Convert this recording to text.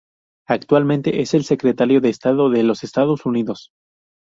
Actualmente es el Secretario de Estado de los Estados Unidos.